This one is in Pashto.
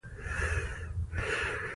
اصلي کیمیا د انسان باطني تصفیه ده.